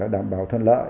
đảm bảo thuận lợi